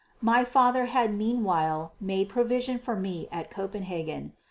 My father had meanwhile made provision for me at Copenhagen.